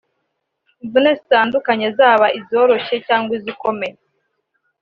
imvune zitandukanye zaba izoroshye cyangwa izikomeye